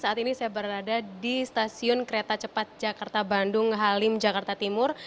saat ini saya berada di stasiun kereta cepat jakarta bandung halim jakarta timur